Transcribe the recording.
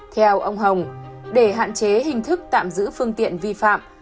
theo ông hồng để hạn chế hình thức tạm giữ phương tiện vi phạm